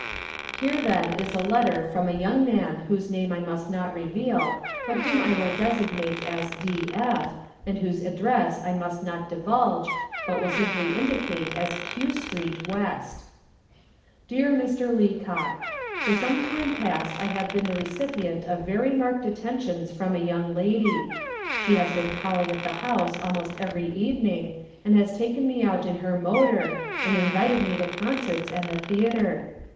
Here then is a letter from a young man whose name I must not reveal, but whom I will designate as D. F., and whose address I must not divulge, but will simply indicate as Q. Street, West. "DEAR MR. LEACOCK, "For some time past I have been the recipient of very marked attentions from a young lady. She has been calling at the house almost every evening, and has taken me out in her motor, and invited me to concerts and the theatre.